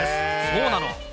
そうなの。